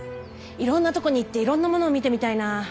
いろんなとこに行っていろんなもの見てみたいなぁ。